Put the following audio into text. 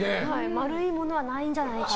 丸いものはないんじゃないかな。